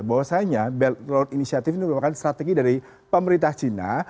bahwasannya belt road initiative ini merupakan strategi dari pemerintah cina